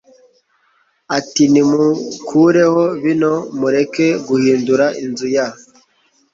ati nimukureho bino mureke guhindura inzu ya